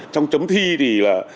trong chấm thi thì là